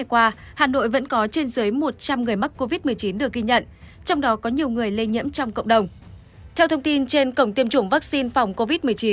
theo thông tin trên cổng tiêm chủng vaccine phòng covid một mươi chín